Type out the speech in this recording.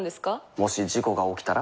もし事故が起きたら？